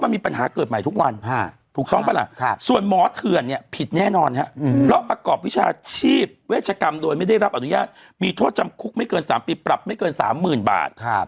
มีโทษจำคุกไม่เกิน๓ปีปรับไม่เกิน๓๐๐๐๐บาท